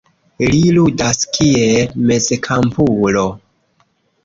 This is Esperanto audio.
Li ludas kiel mezkampulo.